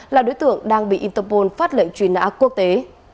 là đối tượng đang bị interpol phát lệnh truy nã quốc tế